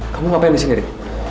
kamu ngapain disini